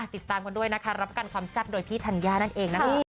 ติดตามกันด้วยนะคะรับกันความแซ่บโดยพี่ธัญญานั่นเองนะคะ